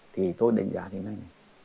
thì thôi đánh giá thế này